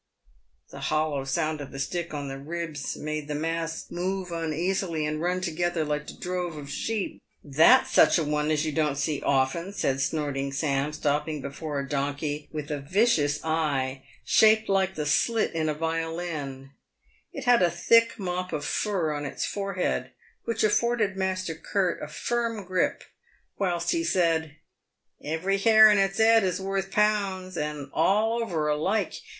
The hollow sound of the stick on the ribs made the mass move un easily, and run together like a drove of sheep. " That's such a one as you don't see often," said Snorting Sam, stopping before a donkey with a vicious eye, shaped like the slit in a PAVED WITH GOLD. 139 violin. It had a thick mop of fur on its forehead, which afforded Master Curt a firm grip whilst he said, " Every hair in its 'ead is worth pounds, and all over alike.